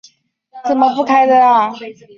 怎么不开灯啊